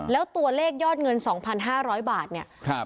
แล้วตัวเลขยอดเงิน๒๕๐๐บาทเนี่ย